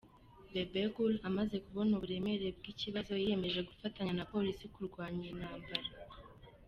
Bebe Cool amaze kubona uburemere byikibazo yiyemeje gufatanya na Polisi kurwana iyi ntambara.